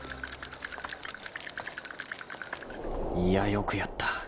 ［いやよくやった！